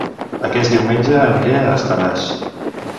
Aquest diumenge aniré a Estaràs